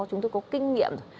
chúng tôi có kinh nghiệm rồi